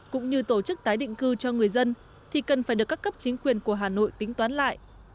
cũng như tổ chức tái định cư cho người dân thì cần phải được các cấp chính quyền của hà nội tính toán lại